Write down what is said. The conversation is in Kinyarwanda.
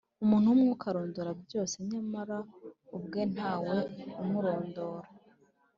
umuntu w'umwuka arondora byose, nyamara ubwe ntawe umurondora.